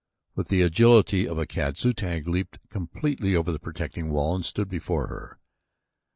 With the agility of a cat Zu tag leaped completely over the protecting wall and stood before her.